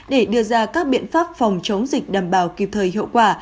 để đưa ra các biện pháp phòng chống dịch đảm bảo kịp thời hiệu quả